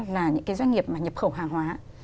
là những cái doanh nghiệp mà nhập khẩu hàng hóa